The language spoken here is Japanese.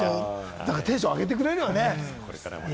テンション上げてくれるよね。